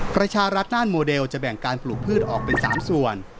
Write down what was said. ประชารัฐด้านโมเดลจะแบ่งการปลูกพืชออกเป็น๓ส่วน